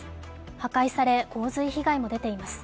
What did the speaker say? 破壊され、洪水被害も出ています。